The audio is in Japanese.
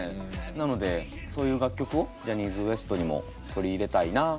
なのでそういう楽曲をジャニーズＷＥＳＴにも取り入れたいなっ。